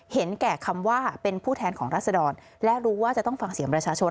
เห็นแก่คำว่าเป็นผู้แทนของรัศดรและรู้ว่าจะต้องฟังเสียงประชาชน